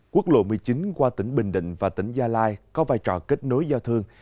quốc lộ một mươi chín qua tỉnh bình định và tỉnh gia lai có vai trò kết nối giao thương